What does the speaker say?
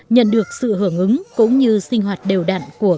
nhận được sự hưởng ứng cũng như sinh hoạt đều đặn của